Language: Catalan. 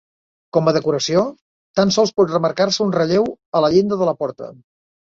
Com a decoració tan sols pot remarcar-se un relleu en la llinda de la porta.